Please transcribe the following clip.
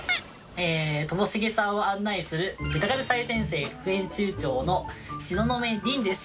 ともしげさんを案内するメタカル最前線副編集長の東雲りんです。